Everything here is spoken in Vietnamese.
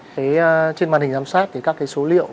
thế trên màn hình giám sát thì các cái số liệu